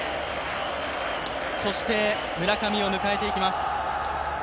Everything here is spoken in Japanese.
そして村上を迎えていきます。